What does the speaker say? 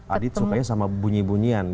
adit sukanya sama bunyi bunyian